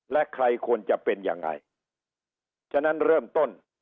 และใครควรจะเป็นยังไงฉะนั้นเริ่มต้น